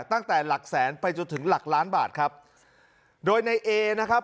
ตั้งแต่หลักแสนไปจนถึงหลักล้านบาทครับโดยในเอนะครับ